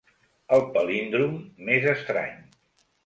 El palíndrom més estrany.